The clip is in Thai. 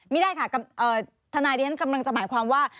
ไม่ได้ค่ะธนาฬินกำลังจะหมายความว่า